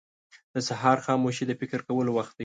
• د سهار خاموشي د فکر کولو وخت دی.